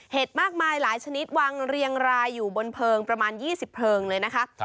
มากมายหลายชนิดวางเรียงรายอยู่บนเพลิงประมาณ๒๐เพลิงเลยนะคะ